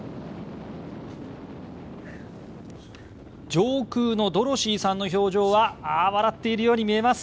上空のドロシーさんの表情は笑っているように見えます。